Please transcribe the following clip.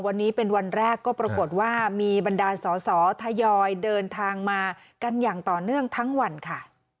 วันนี้เป็นวันแรกก็ปรากฏว่ามีบรรดาลสอสอทยอยเดินทางมากันอย่างต่อเนื่องทั้งวันค่ะ